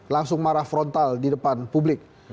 langsung marah frontal di depan publik